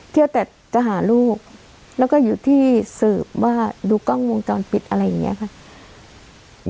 เที่ยวแต่จะหาลูกแล้วก็อยู่ที่สืบว่าดูกล้องวงจรปิดอะไรอย่างนี้ค่ะ